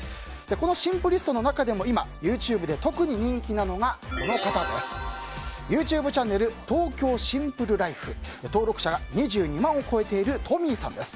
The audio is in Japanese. このシンプリストの中でも今、ＹｏｕＴｕｂｅで特に人気なのがＹｏｕＴｕｂｅチャンネル「ＴｏｋｙｏＳｉｍｐｌｅＬｉｆｅ」登録者２２万を超えているＴｏｍｍｙさんです。